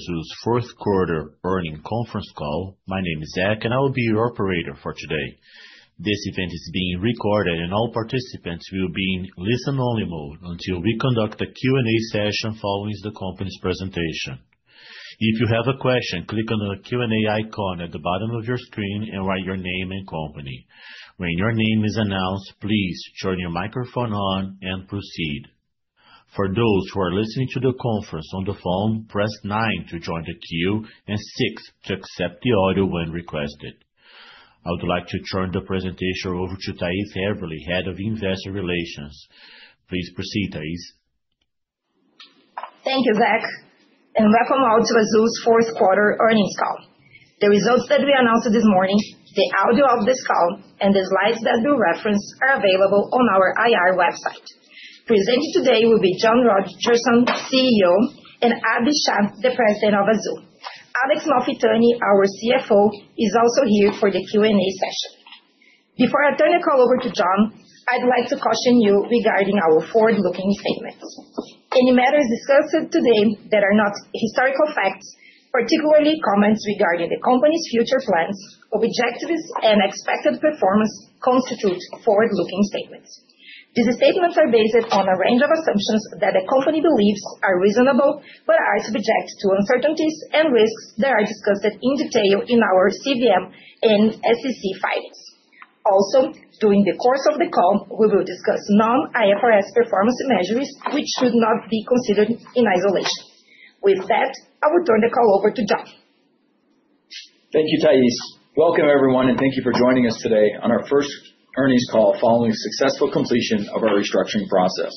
Azul's fourth quarter earnings conference call. My name is Zach, and I will be your Operator for today. This event is being recorded, and all participants will be in listen-only mode until we conduct a Q&A session following the company's presentation. If you have a question, click on the Q&A icon at the bottom of your screen and write your name and company. When your name is announced, please turn your microphone on and proceed. For those who are listening to the conference on the phone, press nine to join the queue and six to accept the audio when requested. I would like to turn the presentation over to Thais Haberli, Head of Investor Relations. Please proceed, Thais. Thank you, Zach, and welcome all to Azul's fourth quarter earnings call. The results that we announced this morning, the audio of this call, and the slides that we reference are available on our IR website. Presenting today will be John Rodgerson, CEO, and Abhi Shah, the President of Azul. Alexandre Malfitani, our CFO, is also here for the Q&A session. Before I turn the call over to John, I'd like to caution you regarding our forward-looking statements. Any matters discussed today that are not historical facts, particularly comments regarding the company's future plans, objectives, and expected performance constitute forward-looking statements. These statements are based on a range of assumptions that the company believes are reasonable but are subject to uncertainties and risks that are discussed in detail in our CVM and SEC filings. Also, during the course of the call, we will discuss non-IFRS performance measures, which should not be considered in isolation. With that, I will turn the call over to John. Thank you, Thais. Welcome, everyone, and thank you for joining us today on our first earnings call following successful completion of our restructuring process.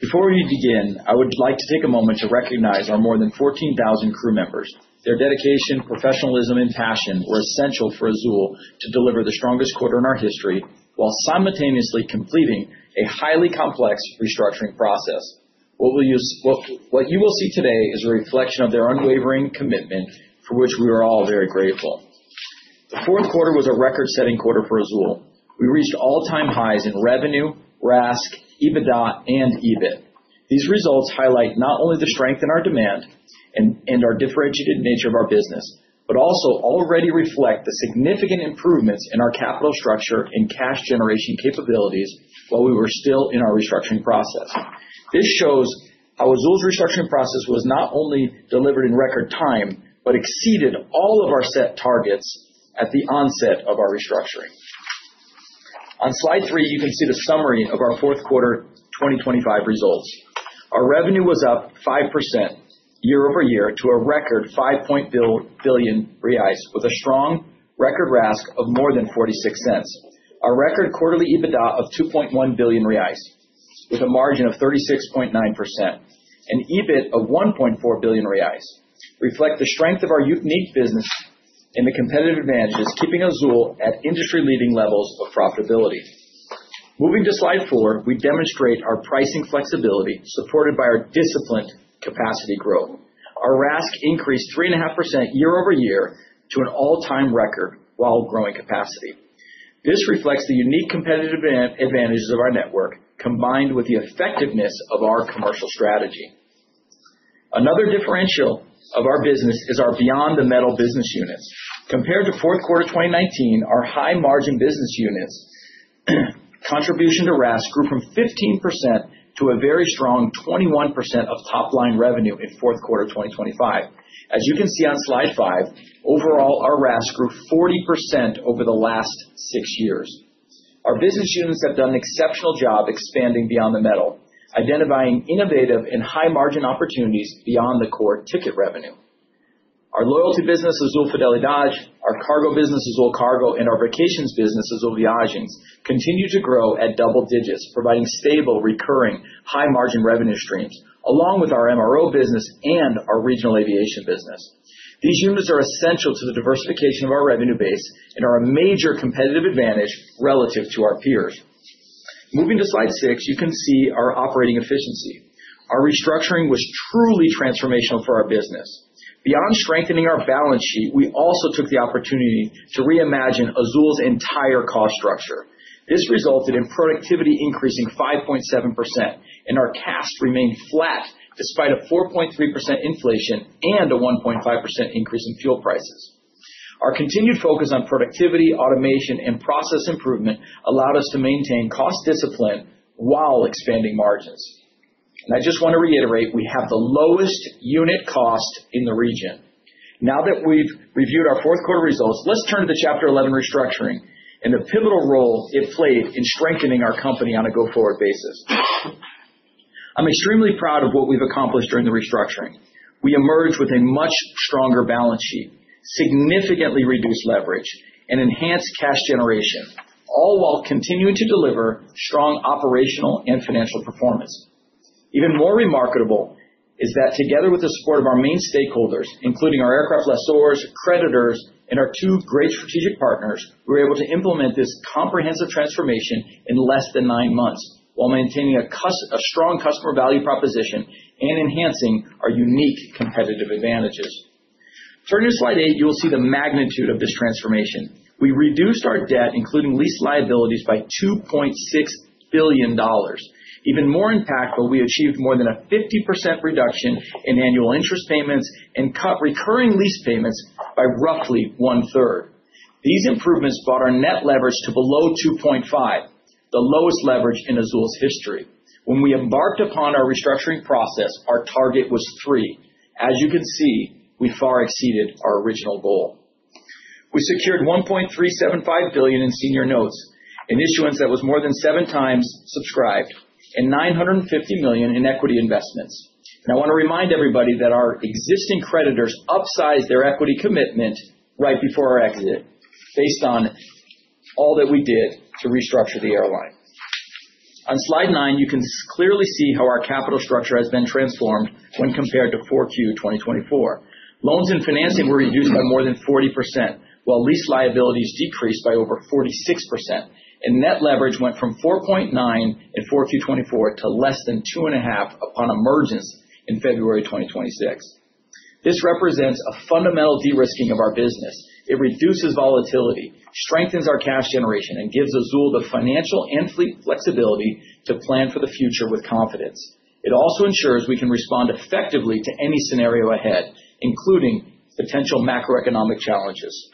Before we begin, I would like to take a moment to recognize our more than 14,000 crew members. Their dedication, professionalism, and passion were essential for Azul to deliver the strongest quarter in our history while simultaneously completing a highly complex restructuring process. What you will see today is a reflection of their unwavering commitment, for which we are all very grateful. The fourth quarter was a record-setting quarter for Azul. We reached all-time highs in revenue, RASK, EBITDA, and EBIT. These results highlight not only the strength in our demand and our differentiated nature of our business but also already reflect the significant improvements in our capital structure and cash generation capabilities while we were still in our restructuring process. This shows how Azul's restructuring process was not only delivered in record time but exceeded all of our set targets at the onset of our restructuring. On slide three, you can see the summary of our fourth quarter 2025 results. Our revenue was up 5% year-over-year to a record 5 billion reais, with a strong record RASK of more than 46 cents. Our record quarterly EBITDA of 2.1 billion reais with a margin of 36.9%, and EBIT of 1.4 billion reais reflect the strength of our unique business and the competitive advantages, keeping Azul at industry-leading levels of profitability. Moving to slide four, we demonstrate our pricing flexibility supported by our disciplined capacity growth. Our RASK increased 3.5% year-over-year to an all-time record while growing capacity. This reflects the unique competitive advantages of our network, combined with the effectiveness of our commercial strategy. Another differential of our business is our Beyond the Metal business units. Compared to fourth quarter 2019, our high-margin business units' contribution to RASK grew from 15% to a very strong 21% of top-line revenue in fourth quarter of 2025. As you can see on slide five, overall, our RASK grew 40% over the last six years. Our business units have done an exceptional job expanding Beyond the Metal, identifying innovative and high-margin opportunities beyond the core ticket revenue. Our loyalty business, Azul Fidelidade, our cargo business, Azul Cargo, and our vacations business, Azul Viagens, continue to grow at double digits, providing stable, recurring, high-margin revenue streams, along with our MRO business and our regional aviation business. These units are essential to the diversification of our revenue base and are a major competitive advantage relative to our peers. Moving to slide six, you can see our operating efficiency. Our restructuring was truly transformational for our business. Beyond strengthening our balance sheet, we also took the opportunity to reimagine Azul's entire cost structure. This resulted in productivity increasing 5.7%, and our CASK remained flat despite a 4.3% inflation and a 1.5% increase in fuel prices. Our continued focus on productivity, automation, and process improvement allowed us to maintain cost discipline while expanding margins. I just wanna reiterate, we have the lowest unit cost in the region. Now that we've reviewed our fourth quarter results, let's turn to Chapter 11 restructuring and the pivotal role it played in strengthening our company on a go-forward basis. I'm extremely proud of what we've accomplished during the restructuring. We emerged with a much stronger balance sheet, significantly reduced leverage, and enhanced cash generation, all while continuing to deliver strong operational and financial performance. Even more remarkable is that together with the support of our main stakeholders, including our aircraft lessors, creditors, and our two great strategic partners, we were able to implement this comprehensive transformation in less than 9 months while maintaining a strong customer value proposition and enhancing our unique competitive advantages. Turning to slide 8, you will see the magnitude of this transformation. We reduced our debt, including lease liabilities, by $2.6 billion. Even more impactful, we achieved more than a 50% reduction in annual interest payments and cut recurring lease payments by roughly one-third. These improvements brought our net leverage to below 2.5, the lowest leverage in Azul's history. When we embarked upon our restructuring process, our target was three. As you can see, we far exceeded our original goal. We secured $1.375 billion in senior notes, an issuance that was more than 7x subscribed, and $950 million in equity investments. I want to remind everybody that our existing creditors upsized their equity commitment right before our exit based on all that we did to restructure the airline. On slide nine, you can clearly see how our capital structure has been transformed when compared to 4Q 2024. Loans and financing were reduced by more than 40%, while lease liabilities decreased by over 46%. Net leverage went from 4.9 in 4Q 2024 to less than 2.5 upon emergence in February 2026. This represents a fundamental de-risking of our business. It reduces volatility, strengthens our cash generation, and gives Azul the financial and fleet flexibility to plan for the future with confidence. It also ensures we can respond effectively to any scenario ahead, including potential macroeconomic challenges.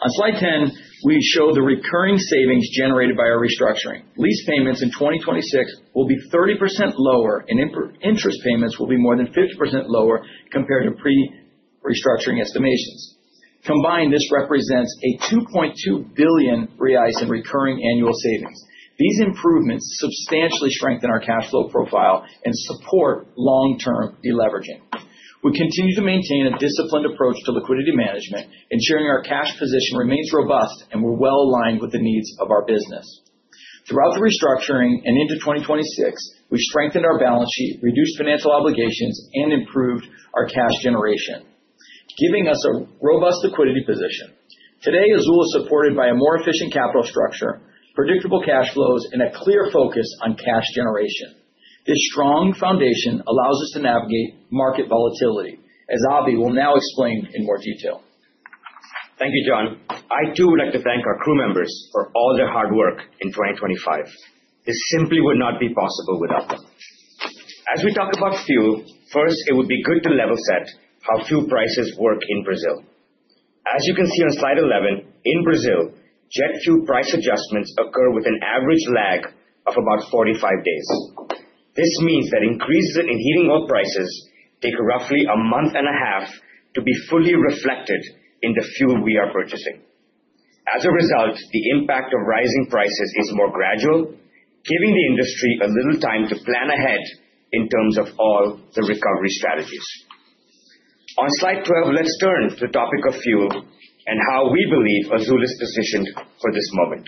On slide 10, we show the recurring savings generated by our restructuring. Lease payments in 2026 will be 30% lower, and interest payments will be more than 50% lower compared to pre-restructuring estimations. Combined, this represents 2.2 billion reais in recurring annual savings. These improvements substantially strengthen our cash flow profile and support long-term de-leveraging. We continue to maintain a disciplined approach to liquidity management, ensuring our cash position remains robust, and we're well-aligned with the needs of our business. Throughout the restructuring and into 2026, we strengthened our balance sheet, reduced financial obligations, and improved our cash generation, giving us a robust liquidity position. Today, Azul is supported by a more efficient capital structure, predictable cash flows, and a clear focus on cash generation. This strong foundation allows us to navigate market volatility, as Abhi will now explain in more detail. Thank you, John. I too would like to thank our crew members for all their hard work in 2025. This simply would not be possible without them. As we talk about fuel, first, it would be good to level-set how fuel prices work in Brazil. As you can see on slide 11, in Brazil, jet fuel price adjustments occur with an average lag of about 45 days. This means that increases in heating oil prices take roughly a month and a half to be fully reflected in the fuel we are purchasing. As a result, the impact of rising prices is more gradual, giving the industry a little time to plan ahead in terms of all the recovery strategies. On slide 12, let's turn to the topic of fuel and how we believe Azul is positioned for this moment.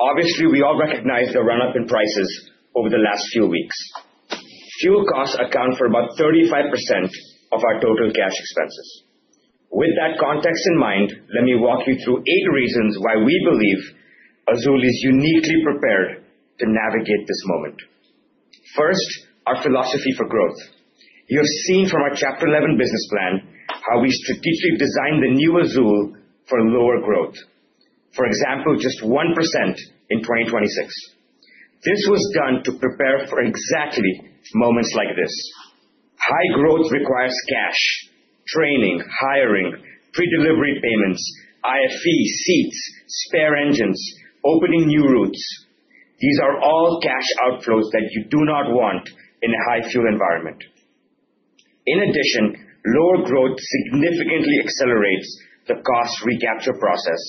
Obviously, we all recognize the run-up in prices over the last few weeks. Fuel costs account for about 35% of our total cash expenses. With that context in mind, let me walk you through eight reasons why we believe Azul is uniquely prepared to navigate this moment. First, our philosophy for growth. You have seen from our Chapter 11 business plan how we strategically designed the new Azul for lower growth. For example, just 1% in 2026. This was done to prepare for exactly moments like this. High growth requires cash, training, hiring, pre-delivery payments, IFE seats, spare engines, opening new routes. These are all cash outflows that you do not want in a high-fuel environment. In addition, lower growth significantly accelerates the cost recapture process,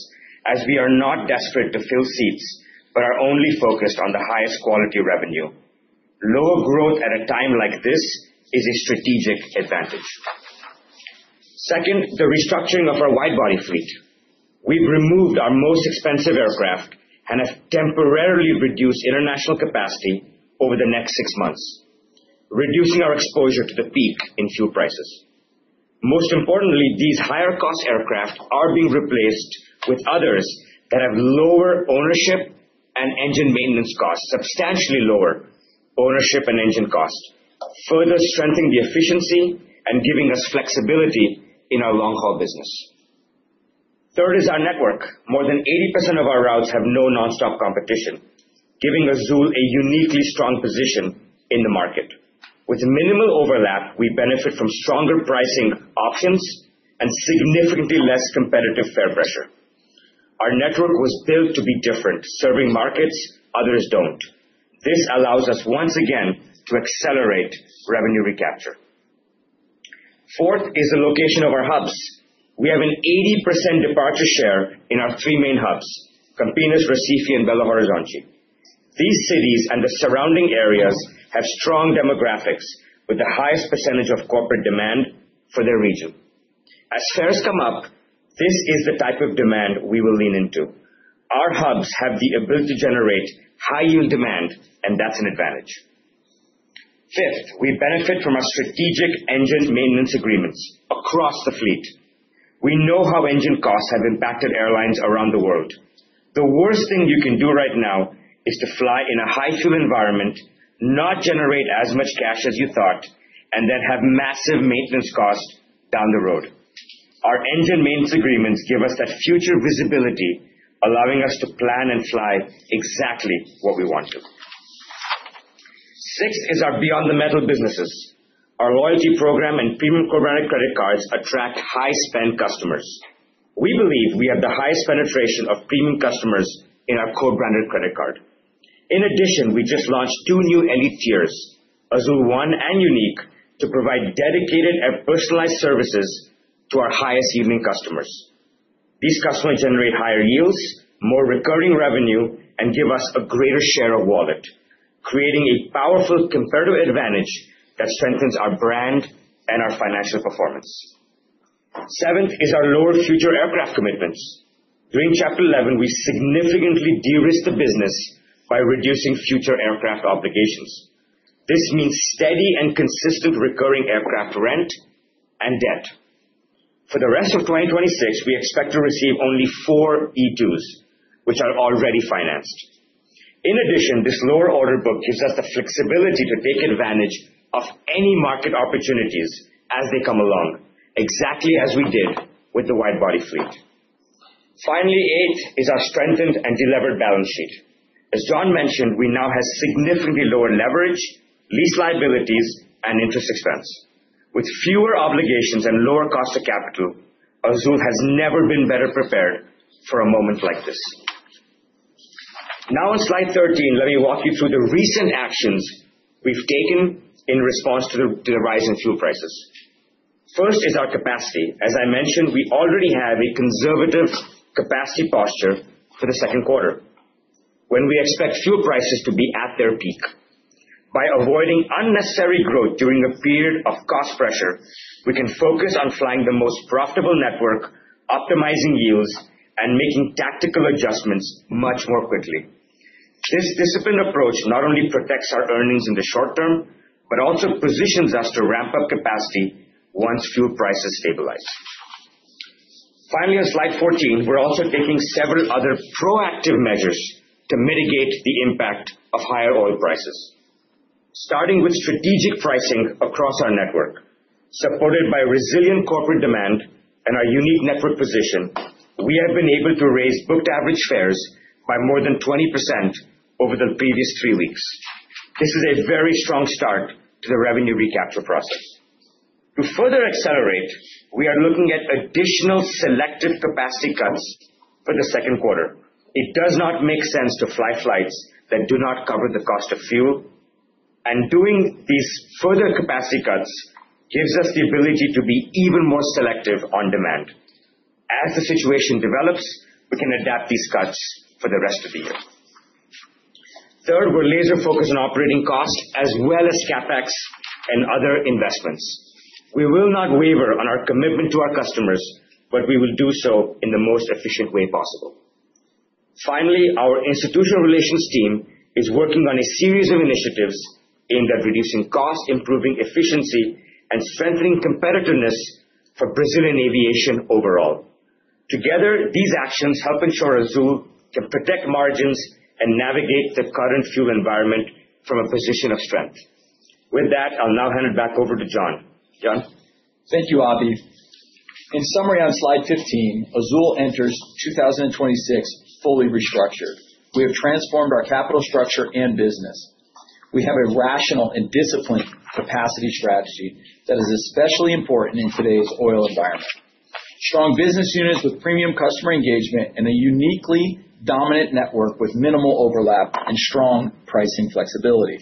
as we are not desperate to fill seats, but are only focused on the highest quality revenue. Lower growth at a time like this is a strategic advantage. Second, the restructuring of our wide-body fleet. We've removed our most expensive aircraft and have temporarily reduced international capacity over the next six months, reducing our exposure to the peak in fuel prices. Most importantly, these higher-cost aircraft are being replaced with others that have lower ownership and engine maintenance costs, substantially lower ownership and engine cost, further strengthening the efficiency and giving us flexibility in our long-haul business. Third is our network. More than 80% of our routes have no nonstop competition, giving Azul a uniquely strong position in the market. With minimal overlap, we benefit from stronger pricing options and significantly less competitive fare pressure. Our network was built to be different, serving markets others don't. This allows us once again to accelerate revenue recapture. Fourth is the location of our hubs. We have an 80% departure share in our three main hubs, Campinas, Recife, and Belo Horizonte. These cities and the surrounding areas have strong demographics with the highest percentage of corporate demand for their region. As fares come up, this is the type of demand we will lean into. Our hubs have the ability to generate high-yield demand, and that's an advantage. Fifth, we benefit from our strategic engine maintenance agreements across the fleet. We know how engine costs have impacted airlines around the world. The worst thing you can do right now is to fly in a high fuel environment, not generate as much cash as you thought, and then have massive maintenance costs down the road. Our engine maintenance agreements give us that future visibility, allowing us to plan and fly exactly what we want to. Sixth is our Beyond the Metal businesses. Our loyalty program and premium co-branded credit cards attract high-spend customers. We believe we have the highest penetration of premium customers in our co-branded credit card. In addition, we just launched two new elite tiers, Azul One and Diamante Unique, to provide dedicated and personalized services to our highest-yielding customers. These customers generate higher yields, more recurring revenue, and give us a greater share of wallet, creating a powerful comparative advantage that strengthens our brand and our financial performance. Seventh is our lower future aircraft commitments. During Chapter 11, we significantly de-risked the business by reducing future aircraft obligations. This means steady and consistent recurring aircraft rent and debt. For the rest of 2026, we expect to receive only four E2s, which are already financed. In addition, this lower order book gives us the flexibility to take advantage of any market opportunities as they come along, exactly as we did with the wide-body fleet. Finally, eighth is our strengthened and delevered balance sheet. As John mentioned, we now have significantly lower leverage, lease liabilities and interest expense. With fewer obligations and lower cost of capital, Azul has never been better prepared for a moment like this. Now, on slide 13, let me walk you through the recent actions we've taken in response to the rise in fuel prices. First is our capacity. As I mentioned, we already have a conservative capacity posture for the second quarter when we expect fuel prices to be at their peak. By avoiding unnecessary growth during a period of cost pressure, we can focus on flying the most profitable network, optimizing yields, and making tactical adjustments much more quickly. This disciplined approach not only protects our earnings in the short term, but also positions us to ramp up capacity once fuel prices stabilize. Finally, on slide 14, we're also taking several other proactive measures to mitigate the impact of higher oil prices. Starting with strategic pricing across our network. Supported by resilient corporate demand and our unique network position, we have been able to raise booked average fares by more than 20% over the previous three weeks. This is a very strong start to the revenue recapture process. To further accelerate, we are looking at additional selective capacity cuts for the second quarter. It does not make sense to fly flights that do not cover the cost of fuel, and doing these further capacity cuts gives us the ability to be even more selective on demand. As the situation develops, we can adapt these cuts for the rest of the year. Third, we're laser-focused on operating costs as well as CapEx and other investments. We will not waver on our commitment to our customers, but we will do so in the most efficient way possible. Finally, our institutional relations team is working on a series of initiatives aimed at reducing costs, improving efficiency, and strengthening competitiveness for Brazilian aviation overall. Together, these actions help ensure Azul can protect margins and navigate the current fuel environment from a position of strength. With that, I'll now hand it back over to John. John? Thank you, Abhi. In summary, on slide 15, Azul enters 2026 fully restructured. We have transformed our capital structure and business. We have a rational and disciplined capacity strategy that is especially important in today's oil environment, strong business units with premium customer engagement and a uniquely dominant network with minimal overlap and strong pricing flexibility.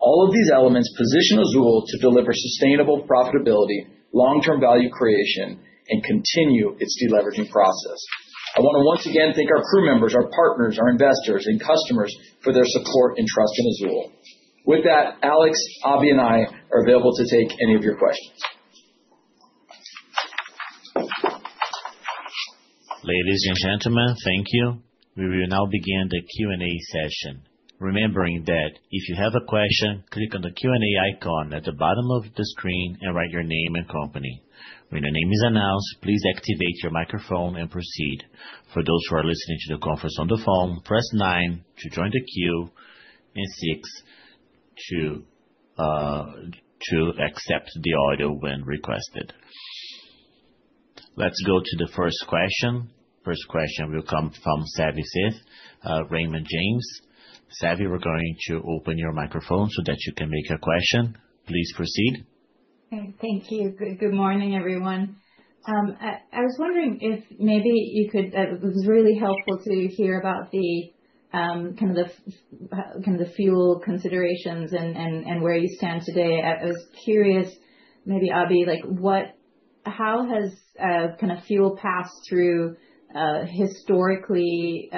All of these elements position Azul to deliver sustainable profitability, long-term value creation, and continue its deleveraging process. I wanna once again thank our crew members, our partners, our investors and customers for their support and trust in Azul. With that, Alex, Abhi, and I are available to take any of your questions. Ladies and gentlemen, thank you. We will now begin the Q&A session. Remembering that if you have a question, click on the Q&A icon at the bottom of the screen and write your name and company. When your name is announced, please activate your microphone and proceed. For those who are listening to the conference on the phone, press nine to join the queue and six to accept the audio when requested. Let's go to the first question. First question will come from Savanthi Syth, Raymond James. Savi, we're going to open your microphone so that you can make your question. Please proceed. Thank you. Good morning, everyone. It was really helpful to hear about the kind of fuel considerations and where you stand today. I was curious, maybe, Abhi, like, how has fuel pass-through historically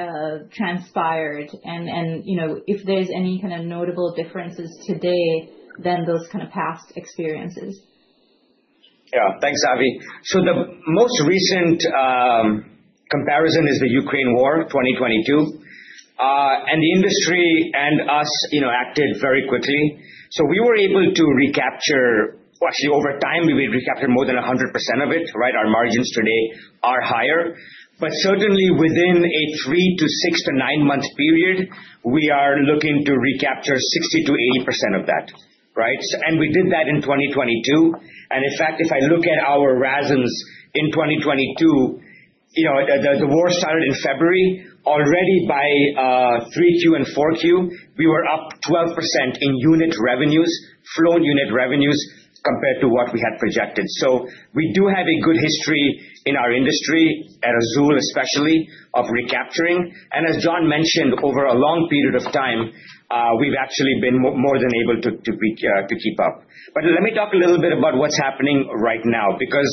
transpired and, you know, if there's any kind of notable differences today than those kind of past experiences? Yeah. Thanks, Savi. The most recent comparison is the Ukraine War of 2022. The industry and us, you know, acted very quickly. We were able to recapture. Well, actually, over time, we recaptured more than 100% of it, right? Our margins today are higher. Certainly within a 3-to-6-to-9-month period, we are looking to recapture 60%-80% of that, right? We did that in 2022. In fact, if I look at our RASMs in 2022, you know, the war started in February, already by 3Q and 4Q, we were up 12% in unit revenues, flown unit revenues compared to what we had projected. We do have a good history in our industry, at Azul especially, of recapturing. As John mentioned, over a long period of time, we've actually been more than able to keep up. Let me talk a little bit about what's happening right now, because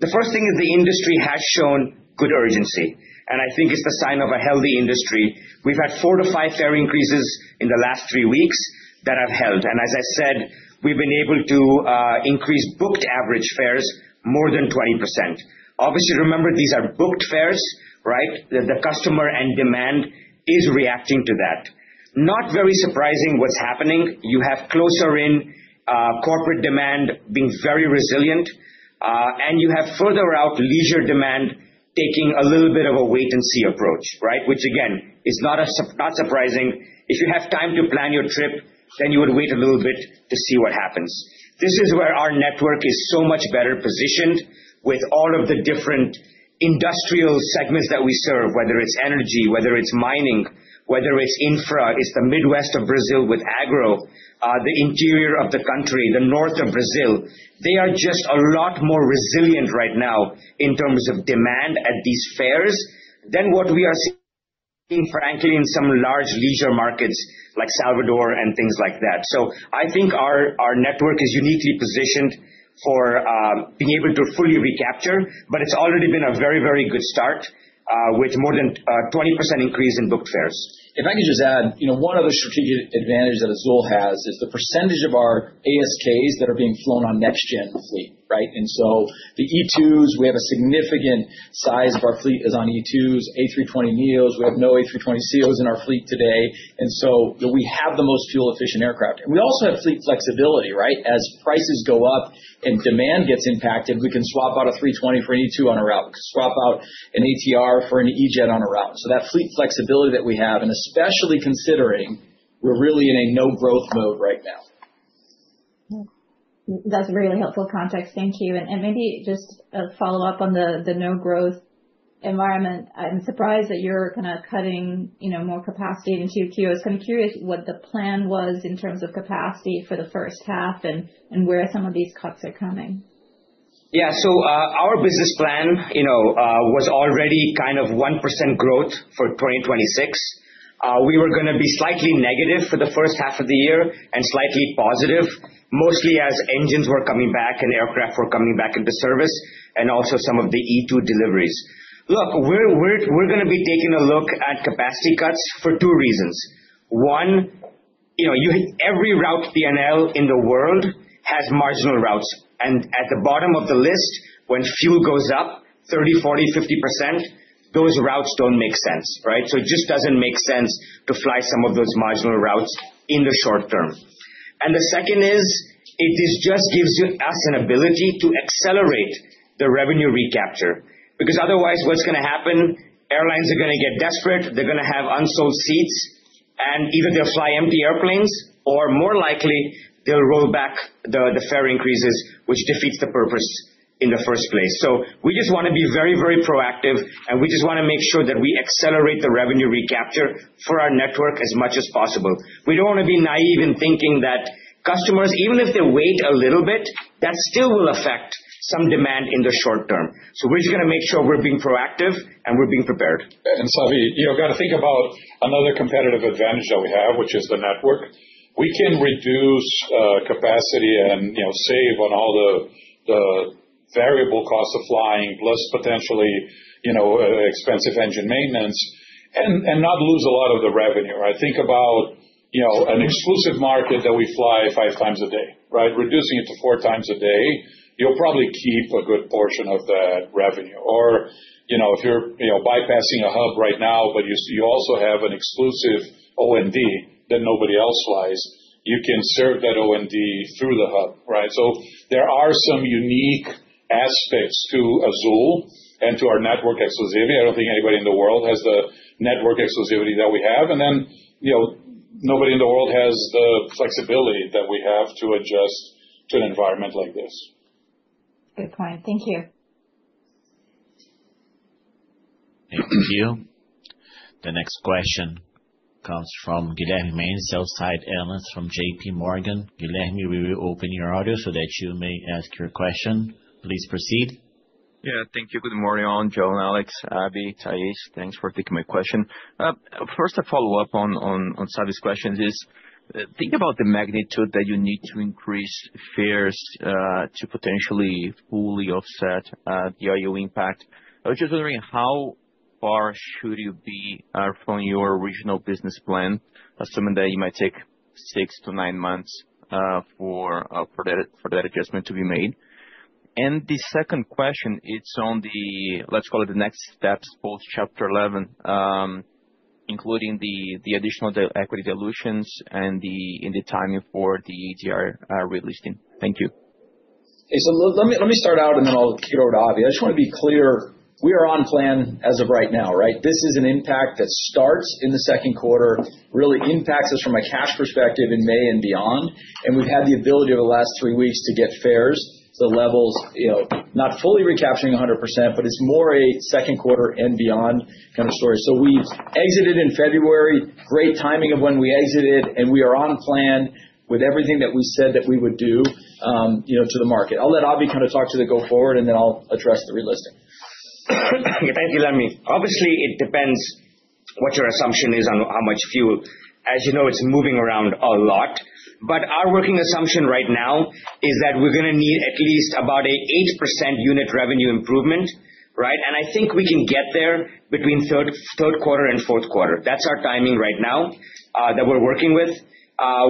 the first thing is the industry has shown good urgency, and I think it's the sign of a healthy industry. We've had four to five fare increases in the last three weeks that have held. As I said, we've been able to increase booked average fares more than 20%. Obviously, remember, these are booked fares, right? The customer and demand is reacting to that. Not very surprising what's happening. You have closer in corporate demand being very resilient, and you have further out leisure demand taking a little bit of a wait and see approach, right? Which again, is not surprising. If you have time to plan your trip, then you would wait a little bit to see what happens. This is where our network is so much better positioned with all of the different industrial segments that we serve, whether it's energy, whether it's mining, whether it's infra, it's the Midwest of Brazil with agro, the interior of the country, the North of Brazil. They are just a lot more resilient right now in terms of demand at these fares than what we are seeing, frankly, in some large leisure markets like Salvador and things like that. I think our network is uniquely positioned for being able to fully recapture, but it's already been a very, very good start with more than 20% increase in booked fares. If I could just add, you know, one of the strategic advantages that Azul has is the percentage of our ASKs that are being flown on next-gen fleet, right? The E2s, we have a significant size of our fleet is on E2s. A320neos, we have no A320ceos in our fleet today, and so we have the most fuel-efficient aircraft. We also have fleet flexibility, right? As prices go up and demand gets impacted, we can swap out a 320 for an E195-E2 on a route. We can swap out an ATR for an E-Jet on a route. That fleet flexibility that we have, and especially considering we're really in a no-growth mode right now. That's really helpful context. Thank you. Maybe just a follow-up on the no-growth environment. I'm surprised that you're kinda cutting, you know, more capacity into Q2. I'm curious what the plan was in terms of capacity for the first half and where some of these cuts are coming. Yeah. Our business plan, you know, was already kind of 1% growth for 2026. We were gonna be slightly negative for the first half of the year and slightly positive, mostly as engines were coming back and aircraft were coming back into service and also some of the E195-E2 deliveries. Look, we're gonna be taking a look at capacity cuts for two reasons. One, you know, every route P&L in the world has marginal routes. At the bottom of the list, when fuel goes up 30%, 40%, 50%, those routes don't make sense, right? It just doesn't make sense to fly some of those marginal routes in the short term. The second is, it just gives us an ability to accelerate the revenue recapture, because otherwise, what's gonna happen, airlines are gonna get desperate, they're gonna have unsold seats, and either they'll fly empty airplanes, or more likely, they'll roll back the fare increases, which defeats the purpose in the first place. We just wanna be very, very proactive, and we just wanna make sure that we accelerate the revenue recapture for our network as much as possible. We don't wanna be naive in thinking that customers, even if they wait a little bit, that still will affect some demand in the short term. We're just gonna make sure we're being proactive and we're being prepared. Savi, you know, gotta think about another competitive advantage that we have, which is the network. We can reduce capacity and, you know, save on all the variable costs of flying, plus potentially, you know, expensive engine maintenance and not lose a lot of the revenue. Think about, you know, an exclusive market that we fly five times a day, right? Reducing it to four times a day, you'll probably keep a good portion of that revenue. Or, you know, if you're, you know, bypassing a hub right now, but you also have an exclusive O&D that nobody else flies, you can serve that O&D through the hub, right? So there are some unique aspects to Azul and to our network exclusivity. I don't think anybody in the world has the network exclusivity that we have. You know, nobody in the world has the flexibility that we have to adjust to an environment like this. Good point. Thank you. Thank you. The next question comes from Guilherme Mendes, sell-side analyst from JPMorgan. Guilherme, we will open your audio so that you may ask your question. Please proceed. Yeah. Thank you. Good morning, all. John, Alex, Abhi, Thaís, thanks for taking my question. First, a follow-up on Savi's question is, think about the magnitude that you need to increase fares to potentially fully offset the IO impact. I was just wondering how far should you be from your original business plan, assuming that you might take 6-9 months for that adjustment to be made? The second question, it's on the, let's call it, the next steps, post-Chapter 11, including the additional equity dilutions and the timing for the ADR relisting. Thank you. Hey, let me start out, and then I'll kick it over to Abhi. I just wanna be clear, we are on plan as of right now, right? This is an impact that starts in the second quarter, really impacts us from a cash perspective in May and beyond, and we've had the ability over the last three weeks to get fares to levels, you know, not fully recapturing 100%, but it's more a second quarter and beyond kind of story. We exited in February, great timing of when we exited, and we are on plan with everything that we said that we would do, you know, to the market. I'll let Abhi kind of talk to the go forward, and then I'll address the relisting. Thank you, Guilherme. Obviously, it depends what your assumption is on how much fuel. As you know, it's moving around a lot, but our working assumption right now is that we're gonna need at least about 8% unit revenue improvement, right? I think we can get there between third quarter and fourth quarter. That's our timing right now that we're working with.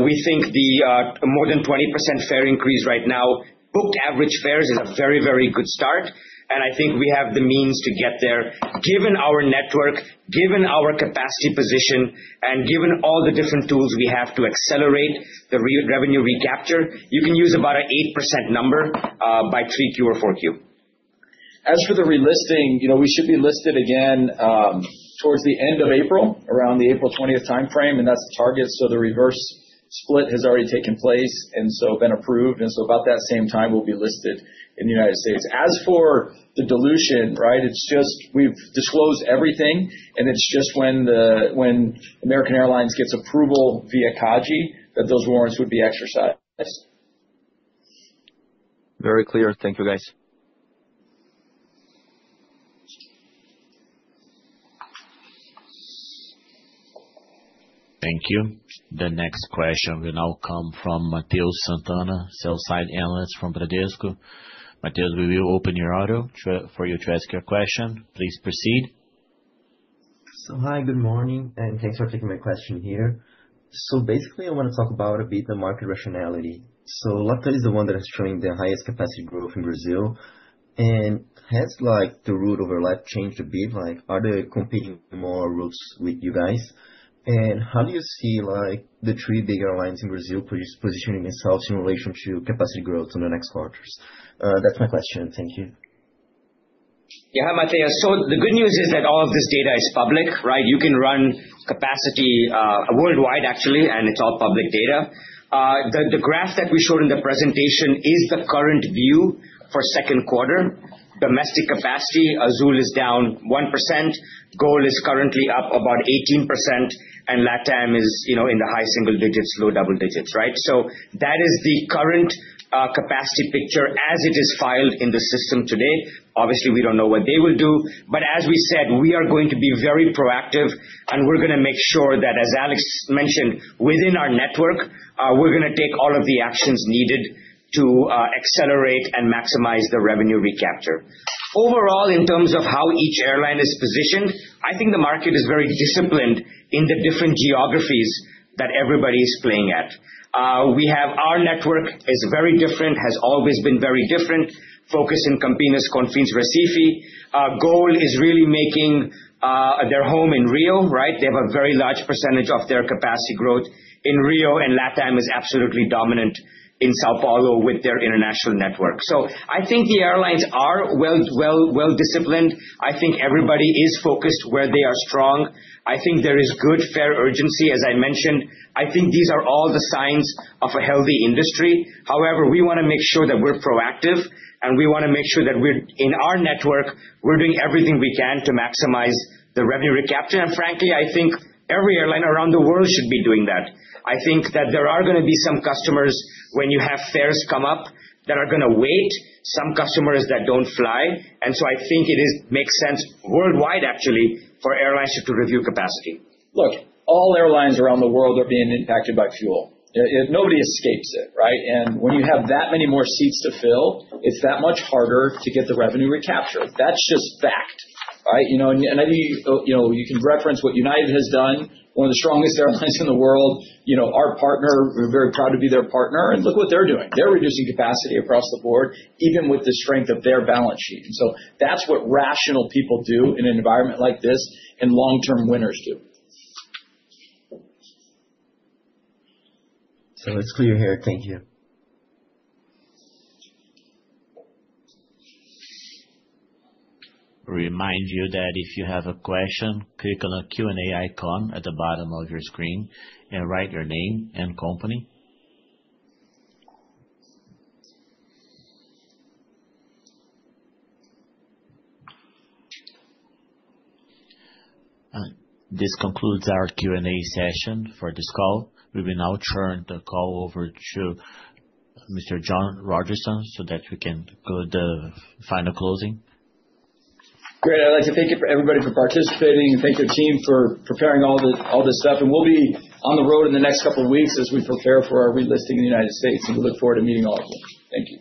We think the more than 20% fare increase right now, booked average fares is a very, very good start, and I think we have the means to get there. Given our network, given our capacity position, and given all the different tools we have to accelerate the revenue recapture, you can use about 8% number by 3Q or 4Q. As for the relisting, you know, we should be listed again, towards the end of April, around the April twentieth timeframe, and that's the target. The reverse split has already taken place, and so has been approved, and so about that same time we'll be listed in the United States. As for the dilution, right, it's just we've disclosed everything, and it's just when American Airlines gets approval via CADE that those warrants would be exercised. Very clear. Thank you, guys. Thank you. The next question will now come from Matheus Sant'Anna, Sell-side Analyst from Bradesco. Matheus, we will open your audio for you to ask your question. Please proceed. Hi, good morning, and thanks for taking my question here. Basically, I wanna talk about a bit the market rationality. LATAM is the one that is showing the highest capacity growth in Brazil, and has, like, the route overlap changed a bit? Like, are they competing more routes with you guys? And how do you see, like, the three big airlines in Brazil positioning itself in relation to capacity growth in the next quarters? That's my question. Thank you. Yeah, Matheus, the good news is that all of this data is public, right? You can run capacity worldwide actually, and it's all public data. The graph that we showed in the presentation is the current view for second quarter. Domestic capacity, Azul is down 1%, GOL is currently up about 18%, and LATAM is, you know, in the high single digits, low double digits, right? That is the current capacity picture as it is filed in the system today. Obviously, we don't know what they will do, but as we said, we are going to be very proactive, and we're gonna make sure that, as Alex mentioned, within our network, we're gonna take all of the actions needed to accelerate and maximize the revenue recapture. Overall, in terms of how each airline is positioned, I think the market is very disciplined in the different geographies that everybody's playing at. We have our network is very different, has always been very different, focused in Campinas, Confins, Recife. GOL is really making their home in Rio, right? They have a very large percentage of their capacity growth in Rio, and LATAM is absolutely dominant in São Paulo with their international network. I think the airlines are well disciplined. I think everybody is focused where they are strong. I think there is good fare urgency, as I mentioned. I think these are all the signs of a healthy industry. However, we wanna make sure that we're proactive, and we wanna make sure that we're, in our network, we're doing everything we can to maximize the revenue recapture. Frankly, I think every airline around the world should be doing that. I think that there are gonna be some customers, when you have fares come up, that are gonna wait, some customers that don't fly. I think it makes sense worldwide actually for airlines to review capacity. Look, all airlines around the world are being impacted by fuel. Nobody escapes it, right? When you have that many more seats to fill, it's that much harder to get the revenue recapture. That's just fact, right? You know, and I mean, you know, you can reference what United has done, one of the strongest airlines in the world. You know, our partner, we're very proud to be their partner, and look what they're doing. They're reducing capacity across the board, even with the strength of their balance sheet. That's what rational people do in an environment like this, and long-term winners do. It's clear here. Thank you. Remind you that if you have a question, click on the Q&A icon at the bottom of your screen and write your name and company. This concludes our Q&A session for this call. We will now turn the call over to Mr. John Rodgerson so that we can go to the final closing. Great. I'd like to thank everybody for participating, and thank the team for preparing all this stuff. We'll be on the road in the next couple weeks as we prepare for our relisting in the United States, and we look forward to meeting all of you. Thank you.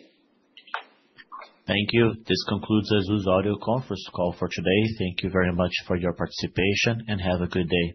Thank you. This concludes Azul's audio conference call for today. Thank you very much for your participation, and have a good day.